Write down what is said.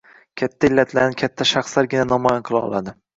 Katta illatlarni katta shaxslargina namoyon qila oladi.